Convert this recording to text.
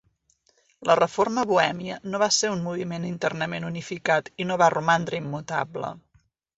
La Reforma bohèmia no va ser un moviment internament unificat i no va romandre immutable.